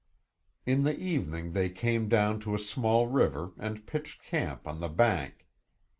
In the evening they came down to a small river and pitched camp on the bank.